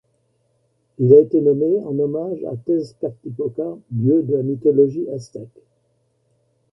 Il a été nommé en hommage à Tezcatlipoca, dieu de la mythologie aztèque.